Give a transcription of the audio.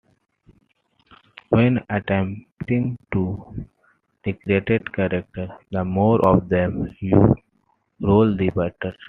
When attempting to recruit characters the more of them you roll the better.